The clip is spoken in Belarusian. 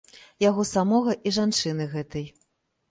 Яго самога і жанчыны гэтай.